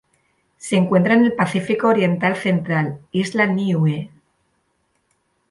Se encuentra en el Pacífico oriental central: isla Niue.